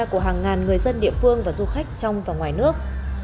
của hàng ngàn người dân địa phương và du khách trong và ngoài nước